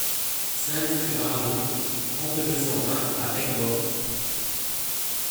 cinq rue Aramon, trente, deux cent vingt à Aigues-Mortes